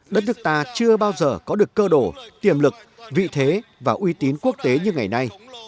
đất nước ta chưa bao giờ có được cơ đồ tiềm lực vị thế và uy tín quốc tế như ngày nay